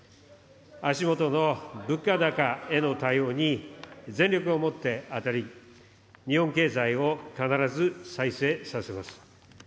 足下の物価高への対応に全力をもって当たり、日本経済を必ず再生させます。